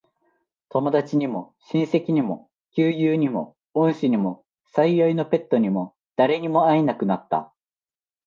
友達にも、親戚にも、旧友にも、恩師にも、最愛のペットにも、誰にも会えなくなった。